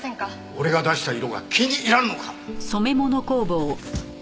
俺が出した色が気に入らんのか！？